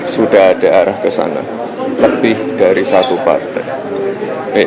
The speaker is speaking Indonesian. sudah ada arah ke sana lebih dari satu partai